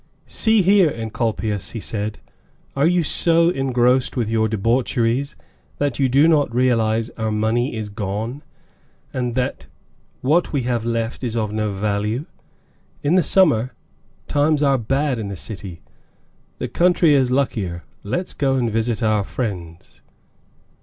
"See here, Encolpius," he said, "are you so engrossed with your debaucheries that you do not realize that our money is gone, and that what we have left is of no value? In the summer, times are bad in the city. The country is luckier, let's go and visit our friends."